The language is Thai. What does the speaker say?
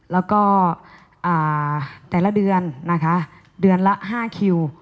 แล้วก็แต่ละเดือนนะคะเดือนละ๕คิว